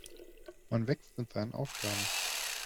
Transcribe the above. Man wächst mit seinen Aufgaben.